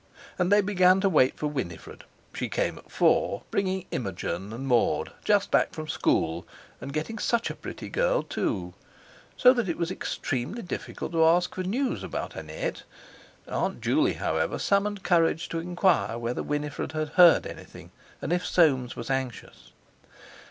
And they began to wait for Winifred. She came at four, bringing Imogen, and Maud, just back from school, and "getting such a pretty girl, too," so that it was extremely difficult to ask for news about Annette. Aunt Juley, however, summoned courage to enquire whether Winifred had heard anything, and if Soames was anxious.